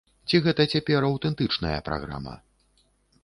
Ці гэта цяпер аўтэнтычная праграма?